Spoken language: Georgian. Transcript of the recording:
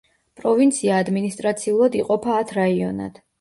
პროვინცია ადმინისტრაციულად იყოფა ათ რაიონად.